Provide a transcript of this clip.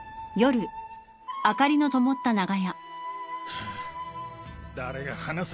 ハァ誰が話す？